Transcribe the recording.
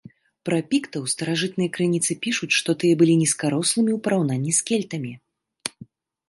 Пра піктаў старажытныя крыніцы пішуць, што тыя былі нізкарослымі ў параўнанні з кельтамі.